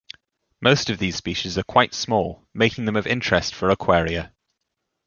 Most of these species are quite small, making them of interest for aquaria.